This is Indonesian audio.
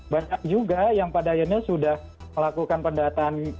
banyak juga yang pada akhirnya sudah melakukan pendataan